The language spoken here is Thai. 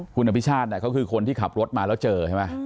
คุณอภิชาติเขาคือคนที่ขับรถมาแล้วเจอใช่ไหม